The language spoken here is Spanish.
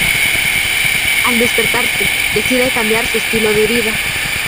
Al despertarse, decide cambiar su estilo de vida.